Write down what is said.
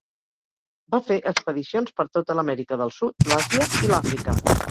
Va fer expedicions per tota l'Amèrica del Sud, l'Àsia i l'Àfrica.